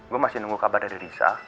gue masih nunggu kabar dari risa